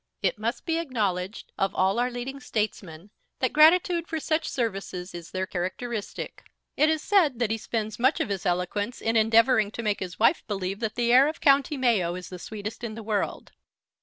It must be acknowledged of all our leading statesmen that gratitude for such services is their characteristic. It is said that he spends much of his eloquence in endeavouring to make his wife believe that the air of County Mayo is the sweetest in the world.